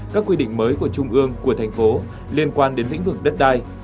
các quy định mới của trung ương của thành phố liên quan đến lĩnh vực đất đai